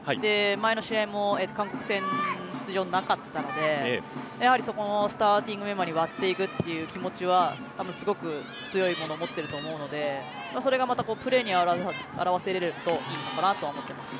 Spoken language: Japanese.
前の試合も韓国戦出場なかったのでやはり、そこのスターティングメンバーに割っていくという気持ちはすごく強いものを持っていると思うのでそれがまたプレーに表せられるといいかなと思っています。